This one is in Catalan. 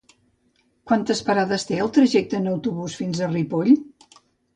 Quantes parades té el trajecte en autobús fins a Ripoll?